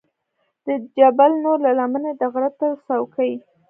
د جبل نور له لمنې د غره تر څوکې.